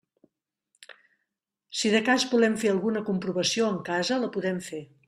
Si de cas volem fer alguna comprovació en casa, la podem fer.